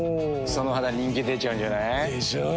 その肌人気出ちゃうんじゃない？でしょう。